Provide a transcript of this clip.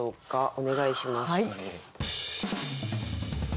お願いします。